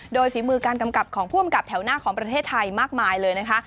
โดยฝีมือการกำกับของผู้อำกับแถวหน้าของประเทศไทยมากมายเลยนะคะ